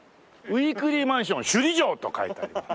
「ウィークリーマンション首里城」と書いてあります。